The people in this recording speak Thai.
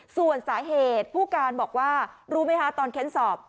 ส่วนสาเหตุผู้การบอกว่ารู้ไหมคะตอนเค้นสอบ